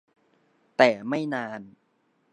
แต่ไม่นาน